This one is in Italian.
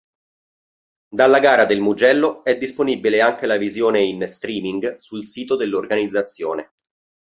Dalla gara del Mugello è disponibile anche la visione in "streaming" sul sito dell'organizzazione.